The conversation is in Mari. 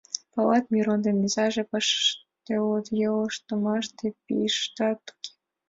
Палат: Мирон ден Изинаже пашаште улыт, йолыштымаште пийыштат уке.